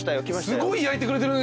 すごい焼いてくれてる。